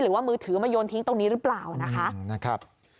หรือว่ามือถือมาโยนทิ้งตรงนี้หรือเปล่านะคะ